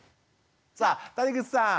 さあ谷口さん